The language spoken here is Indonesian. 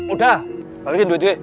udah balikin dua dua